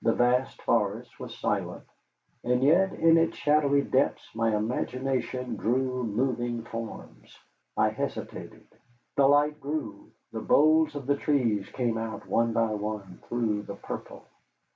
The vast forest was silent, and yet in its shadowy depths my imagination drew moving forms. I hesitated. The light grew: the boles of the trees came out, one by one, through the purple.